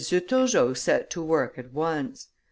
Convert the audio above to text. Turgot set to work at once.